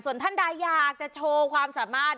ส่วนท่านใดอยากจะโชว์ความสามารถ